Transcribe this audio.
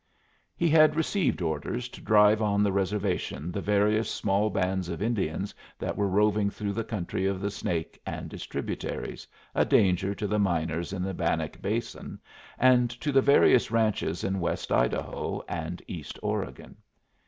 He had received orders to drive on the reservation the various small bands of Indians that were roving through the country of the Snake and its tributaries, a danger to the miners in the Bannock Basin, and to the various ranches in west Idaho and east Oregon.